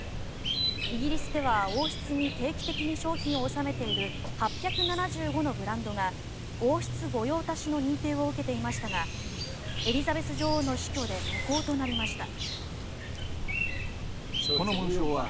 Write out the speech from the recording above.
イギリスでは王室に定期的に商品を納めている８７５のブランドが王室御用達の認定を受けていましたがエリザベス女王の死去で無効となりました。